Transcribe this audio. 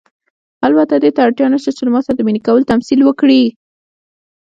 البته دې ته اړتیا نشته چې له ما سره د مینې کولو تمثیل وکړئ.